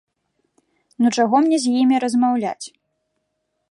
Ну чаго мне з імі размаўляць?